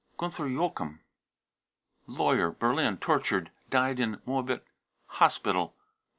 gunther joachim, lawyer, Berlin, tortured, died in Moabit Hospital.